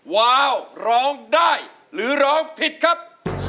วาวร้องได้หรือร้องผิดครับ